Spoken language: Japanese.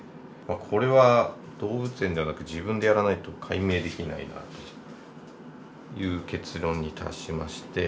これは動物園ではなく自分でやらないと解明できないなという結論に達しまして。